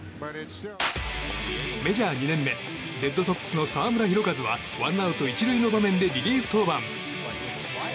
メジャー２年目レッドソックスの澤村拓一はワンアウト１塁の場面でリリーフ登板。